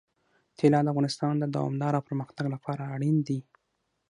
طلا د افغانستان د دوامداره پرمختګ لپاره اړین دي.